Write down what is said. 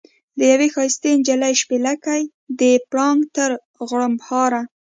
د یوې ښایستې نجلۍ شپېلکی د پړانګ تر غړمبهاره.